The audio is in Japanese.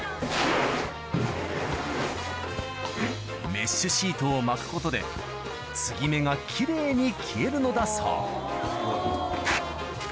メッシュシートを巻くことで接ぎ目が奇麗に消えるのだそう